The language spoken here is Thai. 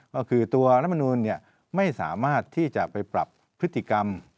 ก็คือตัวรัฐมนูลไม่สามารถที่จะไปปรับพฤติกรรม